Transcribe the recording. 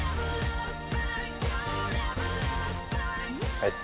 はい。